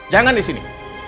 jangan di sini